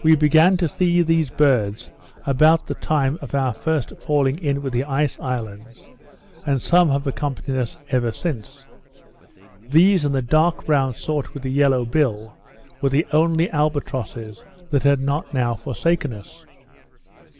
We began to see these birds about the time of our first falling in with the ice islands; and some have accompanied us ever since. These, and the dark brown sort with a yellow bill, were the only albatrosses that had not now forsaken us.